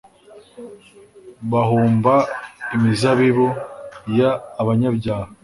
bahumba imizabibu y abanyabyaha